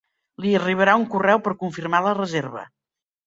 Li arribarà un correu per confirmar la reserva.